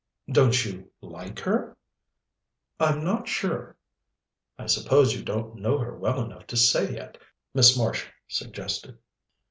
"Don't you like her?" "I'm not sure." "I suppose you don't know her well enough to say yet?" Miss Marsh suggested.